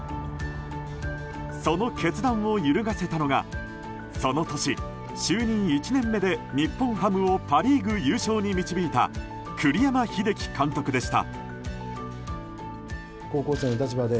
その決断を揺るがせたのがその年、就任１年目で日本ハムをパ・リーグ優勝に導いた栗山英樹監督でした。